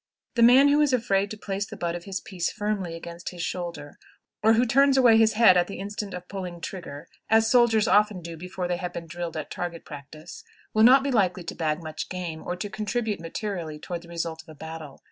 The man who is afraid to place the butt of his piece firmly against his shoulder, or who turns away his head at the instant of pulling trigger (as soldiers often do before they have been drilled at target practice), will not be likely to bag much game or to contribute materially toward the result of a battle.